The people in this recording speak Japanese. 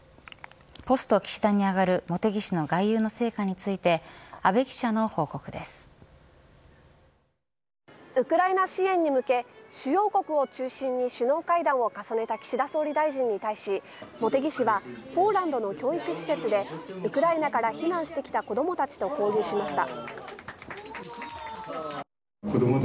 ポスト岸田に挙がる茂木氏の外遊の成果についてウクライナ支援に向け主要国を中心に首脳会談を重ねた岸田総理大臣に対し、茂木氏はポーランドの教育施設でウクライナから避難してきた子どもたちと交流しました。